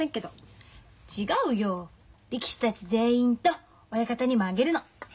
違うよ力士たち全員と親方にもあげるの。